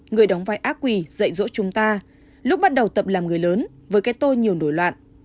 người đóng vai ác quỳ dạy dỗ chúng ta lúc bắt đầu tập làm người lớn với cái tôi nhiều nổi loạn